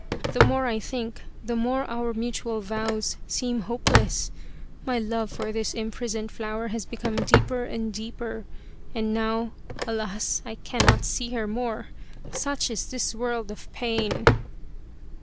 The more I think, the more our mutual vows seem hopeless. My love for this imprisoned flower has become deeper and deeper, and now, alas ! I cannot see her more. Such is this world of pain